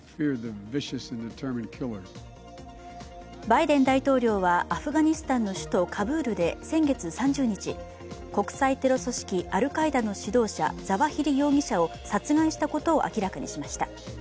バイデン大統領はアフガニスタンの首都カブールで先月３０日、国際テロ組織アルカイダの指導者、ザワヒリ容疑者を殺害したことを明らかにしました。